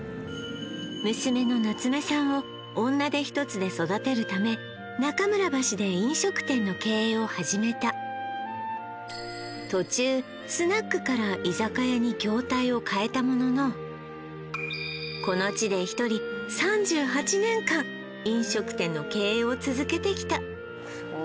娘の夏芽さんを女手一つで育てるため中村橋で飲食店の経営を始めた途中業態を変えたもののこの地で１人３８年間飲食店の経営を続けてきた